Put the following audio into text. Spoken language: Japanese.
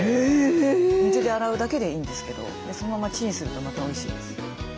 水で洗うだけでいいんですけどそのままチンするとまたおいしいです。